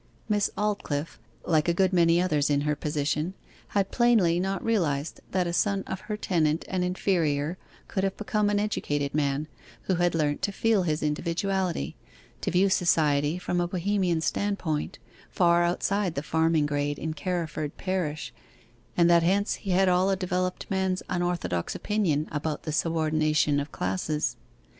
Miss Aldclyffe, like a good many others in her position, had plainly not realized that a son of her tenant and inferior could have become an educated man, who had learnt to feel his individuality, to view society from a Bohemian standpoint, far outside the farming grade in Carriford parish, and that hence he had all a developed man's unorthodox opinion about the subordination of classes.